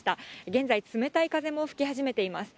現在、冷たい風も吹き始めています。